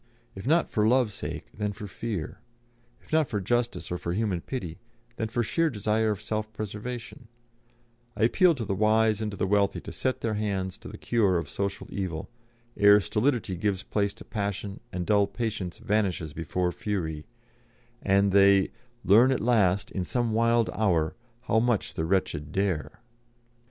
If not for Love's sake, then for fear; if not for justice or for human pity, then for sheer desire of self preservation; I appeal to the wise and to the wealthy to set their hands to the cure of social evil, ere stolidity gives place to passion and dull patience vanishes before fury, and they "'Learn at last, in some wild hour, how much the wretched dare.'"